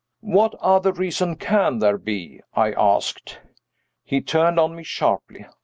"What other reason can there be?" I asked. He turned on me sharply.